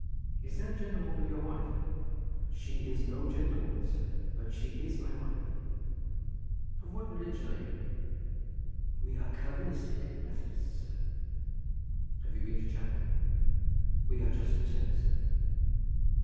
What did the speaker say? "Is that gentlewoman your wife?" "She is no gentlewoman, sir, but she is my wife." "Of what religion are you?" "We are Calvinistic Methodists, sir." "Have you been to chapel?" "We are just returned, sir."